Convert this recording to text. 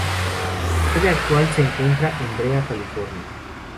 Su sede actual se encuentra en Brea, California.